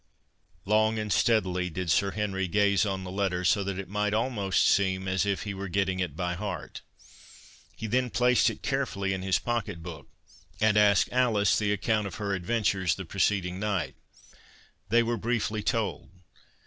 Long and steadily did Sir Henry gaze on the letter, so that it might almost seem as if he were getting it by heart. He then placed it carefully in his pocket book, and asked Alice the account of her adventures the preceding night. They were briefly told.